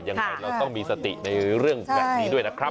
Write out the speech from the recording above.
ยังไงเราต้องมีสติในเรื่องแบบนี้ด้วยนะครับ